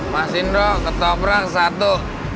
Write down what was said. mas indro ketoprak satu